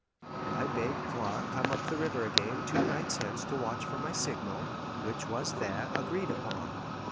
I bade Clark come up the river again two nights hence to watch for my signal, which was there agreed upon.